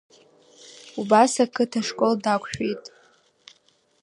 Убас ақыҭа школ дақәшәеит.